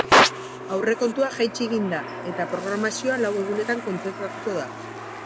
Aurrekontua jaitsi egin da eta programazioa lau egunetan kontzentratuko da.